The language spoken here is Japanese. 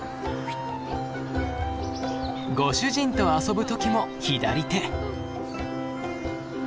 ご主人と遊ぶ時も左手。